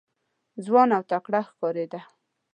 ځوان او تکړه ښکارېده.